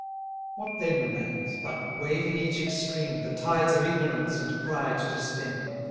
What then remains, but, waiving each extreme, The tides of ignorance and pride to stem?